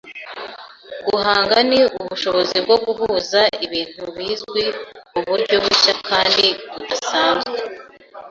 Guhanga ni ubushobozi bwo guhuza ibintu bizwi muburyo bushya kandi budasanzwe.